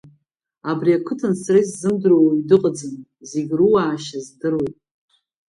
Абри ақыҭан сара исзымдыруа уаҩ дыҟаӡам, зегьы руаашьа здыруеит.